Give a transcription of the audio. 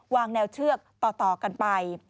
วางแนวเชือกต่อกันไป